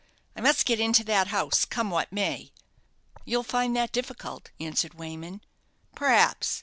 I must get into that house, come what may." "You'll find that difficult," answered Wayman. "Perhaps.